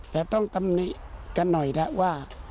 แต่ต้องตำหนิกันหน่อยนะว่า